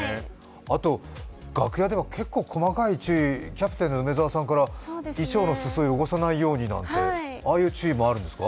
楽屋では結構細かい注意キャプテンの梅澤さんから衣装の裾を汚さないようになんてああいう注意もあるんですか？